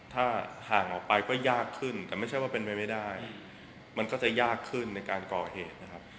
ถ้าห่างออกไปก็ยากขึ้นแต่ไม่ใช่ว่าเป็นไปไม่ได้มันก็จะยากขึ้นในการก่อเหตุนะครับ